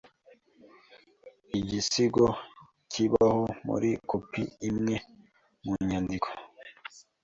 Igisigo kibaho muri kopi imwe mu nyandiko